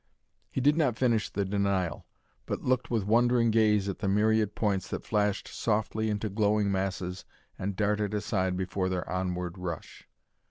He did not finish the denial, but looked with wondering gaze at the myriad points that flashed softly into glowing masses and darted aside before their onward rush.